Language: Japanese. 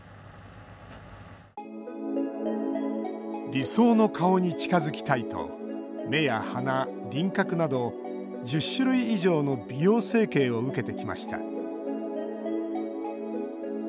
理想の顔に近づきたいと目や鼻、輪郭など１０種類以上の美容整形を受けてきました。